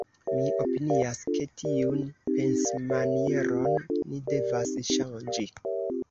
Mi opinias, ke tiun pensmanieron ni devas ŝanĝi.